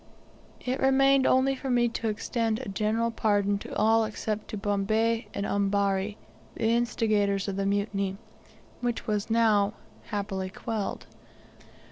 It remained for me only to extend a general pardon to all except to Bombay and Ambari, the instigators of the mutiny, which was now happily quelled.